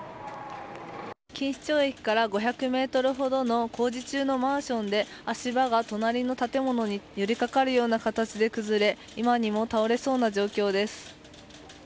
錦糸町駅から５００ｍほどの工事中のマンションで足場が隣の建物に寄りかかるような形で崩れ今にも倒れそうな状況です。